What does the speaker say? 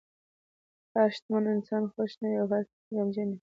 هر شتمن انسان خوښ نه وي، او هر فقیر غمجن نه وي.